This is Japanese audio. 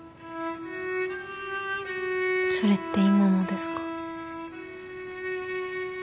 それって今もですか？